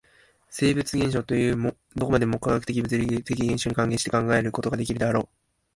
生物現象というも、どこまでも化学的物理的現象に還元して考えることができるであろう。